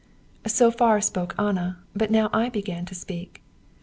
"So far spoke Anna; but now I began to speak.